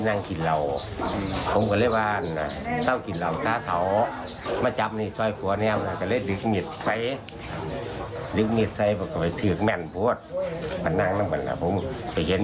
วันนี้ทางฝั่งเมียออกมาให้เพื่อนบ้านส่งโรงพยาบาล